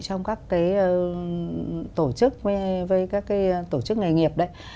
trong các cái tổ chức với các cái tổ chức nghề nghiệp đấy